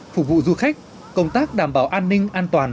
phục vụ du khách công tác đảm bảo an ninh an toàn